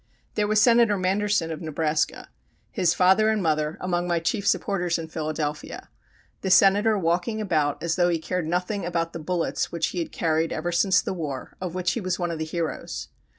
There was Senator Manderson of Nebraska, his father and mother among my chief supporters in Philadelphia, the Senator walking about as though he cared nothing about the bullets which he had carried ever since the war, of which he was one of the heroes.